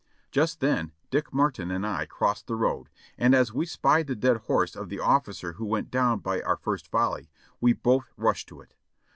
Just then Dick Martin and I crossed the road, and as we spied the dead horse of the ofhcer who went down by our first volley, we both rushed to it.